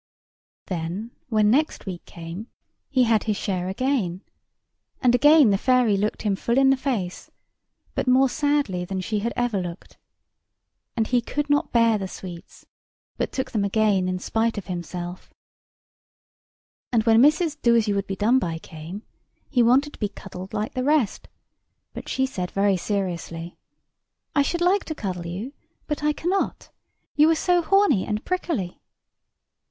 Then, when next week came, he had his share again; and again the fairy looked him full in the face; but more sadly than she had ever looked. And he could not bear the sweets: but took them again in spite of himself. [Picture: Prickly Tom] And when Mrs. Doasyouwouldbedoneby came, he wanted to be cuddled like the rest; but she said very seriously: "I should like to cuddle you; but I cannot, you are so horny and prickly."